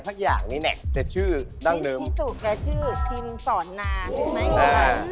สุนารีราชสีมาก